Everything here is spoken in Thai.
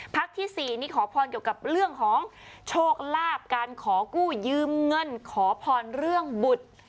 ที่๔นี่ขอพรเกี่ยวกับเรื่องของโชคลาภการขอกู้ยืมเงินขอพรเรื่องบุตร